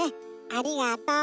ありがとう。